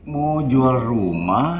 mau jual rumah